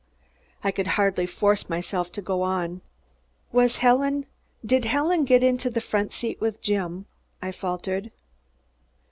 I could hardly force myself to go on. "Was Helen did Helen get into the front seat with Jim?" I faltered.